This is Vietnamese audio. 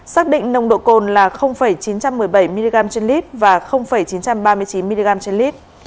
xác định nồng độ cồn là chín trăm một mươi bảy mg trên lít và chín trăm ba mươi chín mg trên lít